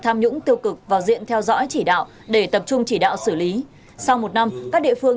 tham nhũng tiêu cực vào diện theo dõi chỉ đạo để tập trung chỉ đạo xử lý sau một năm các địa phương